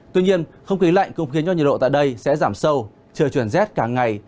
tuy nhiên không khí lạnh cũng khiến cho nhiệt độ tại đây sẽ giảm sâu trời chuyển rét cả ngày